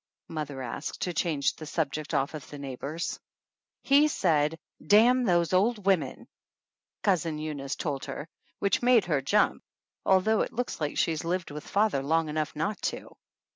mother asked, to change the subject off of the neigh bors. "He said, 'Damn those old women!' ' Cousin Eunice told her, which made her jump, although it looks like she has lived with father long enough not to.